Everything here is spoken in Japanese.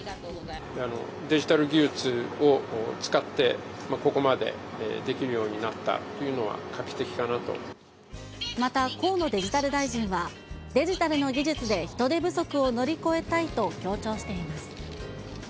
デジタル技術を使って、ここまでできるようになったというのは、また、河野デジタル大臣はデジタルの技術で人手不足を乗り越えたいと強調しています。